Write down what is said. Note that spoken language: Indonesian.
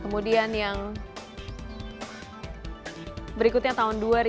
kemudian berikutnya tahun dua ribu dua puluh